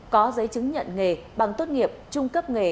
có giấy chứng nhận nghề bằng tốt nghiệp trung cấp nghề